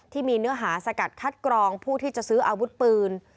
เนื้อหาสกัดคัดกรองผู้ที่จะซื้ออาวุธปืน